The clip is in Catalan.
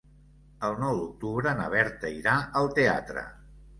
El nou d'octubre na Berta irà al teatre.